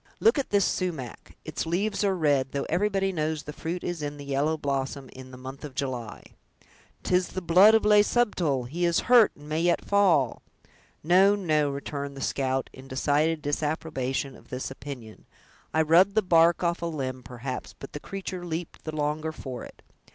Look at this sumach; its leaves are red, though everybody knows the fruit is in the yellow blossom in the month of July!" "'Tis the blood of Le Subtil! he is hurt, and may yet fall!" "No, no," returned the scout, in decided disapprobation of this opinion, "I rubbed the bark off a limb, perhaps, but the creature leaped the longer for it.